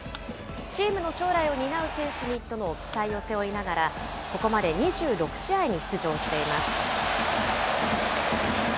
チームの将来を担う選手にとの期待を背負いながら、ここまで２６試合に出場しています。